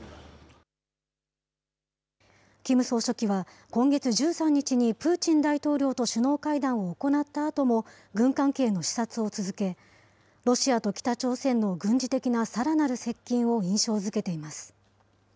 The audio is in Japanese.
キム総書記は、今月１３日にプーチン大統領と首脳会談を行ったあとも、軍関係の視察を続け、ロシアと北朝鮮の軍事的なさらなる接近を印象づけています。